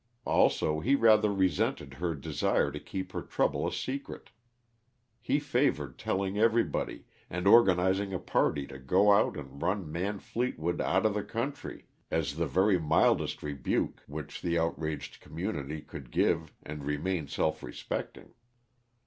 Also, he rather resented her desire to keep her trouble a secret; he favored telling everybody, and organizing a party to go out and run Man Fleetwood out of the country, as the very mildest rebuke which the outraged community could give and remain self respecting.